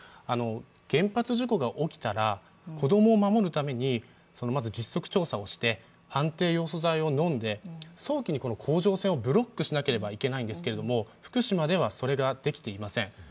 原発事故が起きたら、子供を守るために、まず実測調査をして安定ヨウ素剤を飲んで早期に甲状腺をブロックしなければいけないんですけれども、福島ではそれができていません。